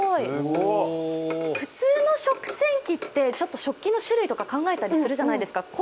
普通の食洗機って、食器の種類とか考えたりするじゃないですか。